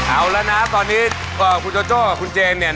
เอาแล้วนะครับตอนนี้คุณโจโจกับคุณเจนเนี่ย